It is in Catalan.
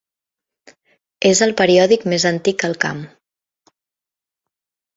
És el periòdic més antic al camp.